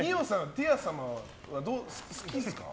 ティア様は好きですか？